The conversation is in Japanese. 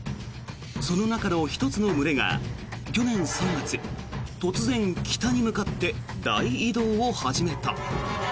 その中の１つの群れが去年３月突然、北に向かって大移動を始めた。